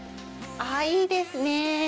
いいですね